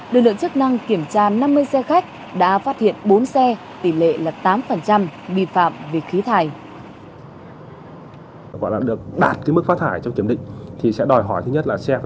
lực lượng chức năng dùng khí thải không đạt chuẩn cho phép